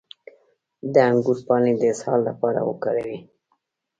د انګور پاڼې د اسهال لپاره وکاروئ